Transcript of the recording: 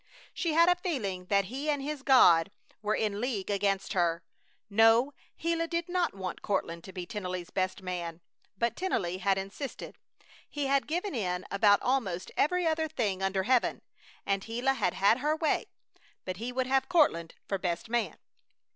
She had a feeling that he and his God were in league against her. No, Gila did not want Courtland to be Tennelly's best man. But Tennelly had insisted. He had given in about almost every other thing under heaven, and Gila had had her way, but he would have Courtland for best man.